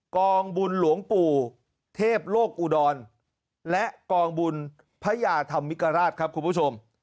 กองบุญหลวงปู่เทพโลกอุดรและกองบุญพระยาธรรมิกราชครับคุณผู้ชม